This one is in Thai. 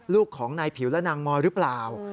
ลูกของนายผิวและนางมอยหรือเปล่า